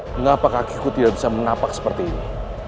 mengapa kakiku tidak bisa menapak seperti ini